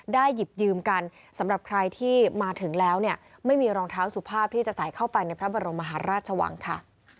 หยิบยืมกันสำหรับใครที่มาถึงแล้วเนี่ยไม่มีรองเท้าสุภาพที่จะใส่เข้าไปในพระบรมมหาราชวังค่ะ